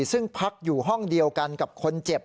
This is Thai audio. ซึ่งพักอยู่ห้องเดียวกันกับคนเจ็บ